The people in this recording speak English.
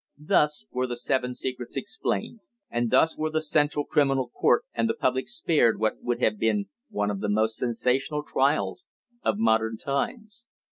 Thus were the Seven Secrets explained; and thus were the Central Criminal Court and the public spared what would have been one of the most sensational trials of modern times.